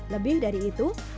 lebih dari itu